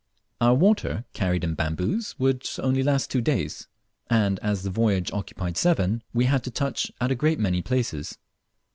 Our water, carried in bamboos, would only last two days, and as the voyage occupied seven, we had to touch at a great many places.